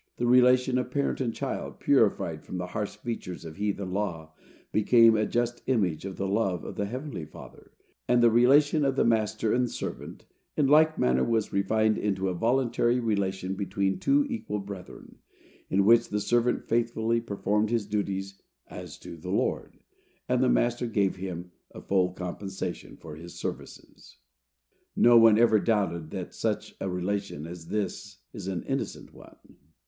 The relation of parent and child, purified from the harsh features of heathen law, became a just image of the love of the heavenly Father; and the relation of master and servant, in like manner, was refined into a voluntary relation between two equal brethren, in which the servant faithfully performed his duties as to the Lord, and the master gave him a full compensation for his services. No one ever doubted that such a relation as this is an innocent one.